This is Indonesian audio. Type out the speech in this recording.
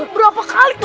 berapa kali to